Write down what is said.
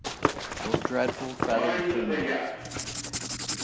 Those dreadful feathered females!